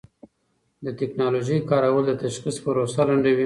د ټېکنالوژۍ کارول د تشخیص پروسه لنډوي.